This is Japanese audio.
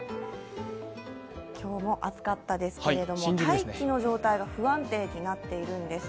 今日も暑かったですけれども、大気の状態が不安定になっているんです。